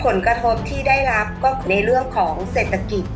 ผลกระทบที่ได้รับก็ในเรื่องของเศรษฐกิจ